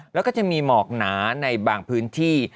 แล้วก็จะมีหมอกหนาในบางพื้นที่